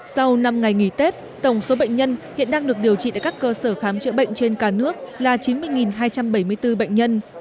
sau năm ngày nghỉ tết tổng số bệnh nhân hiện đang được điều trị tại các cơ sở khám chữa bệnh trên cả nước là chín mươi hai trăm bảy mươi bốn bệnh nhân